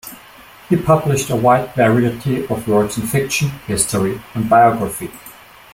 He published a wide variety of works in fiction, history and biography.